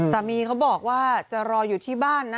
เขาบอกว่าจะรออยู่ที่บ้านนะ